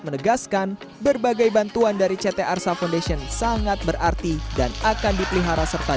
menegaskan berbagai bantuan dari ct arsa foundation sangat berarti dan akan dipelihara serta